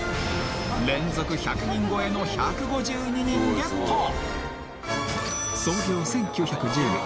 連続１００人超えの１５２人ゲット創業１９１０年